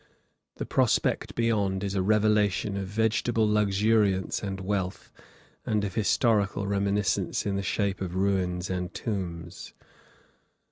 The prospect beyond is a revelation of vegetable luxuriance and wealth, and of historical reminiscence in the shape of ruins and tombs.